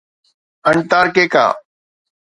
Antarctica